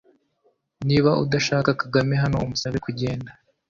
Niba udashaka Kagame hano umusabe kugenda